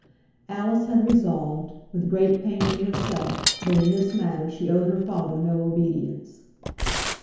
Alice had resolved, with great pain to herself, that in this matter she owed her father no obedience.